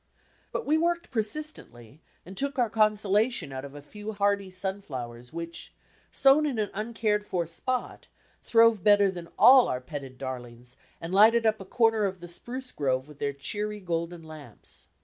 But we worked persistently, and took our consolation out of a few hardy sunflowers which, sown in an uncared for spot, throve better than all our petted dar lings, and lighted up a comer of the spruce grove with their cheery golden lamps.